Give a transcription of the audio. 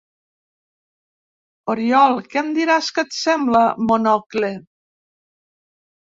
Oriol, ¿quan em diràs què et sembla Monocle?